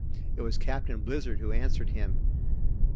It was Captain Blizzard who answered him.